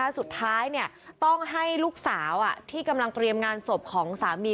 สุดท้ายต้องให้ลูกสาวที่กำลังเตรียมงานศพของสามี